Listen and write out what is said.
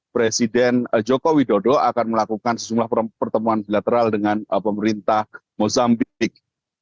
presiden joko widodo akan melakukan sejumlah pertemuan bilateral dengan pemerintah mozambik